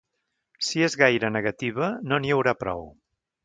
Si és gaire negativa, no n’hi haurà prou.